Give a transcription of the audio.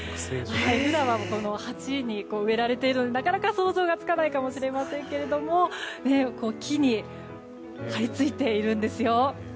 実は鉢に植えられているとなかなか想像がつかないかもしれないですが木に張り付いているんですよ。